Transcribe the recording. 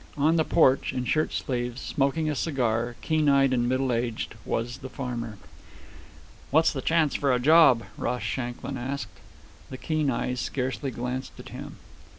On the porch, in shirt sleeves, smoking a cigar, keen eyed and middle aged, was the farmer. "What's the chance for a job!" Ross Shanklin asked. The keen eyes scarcely glanced at him.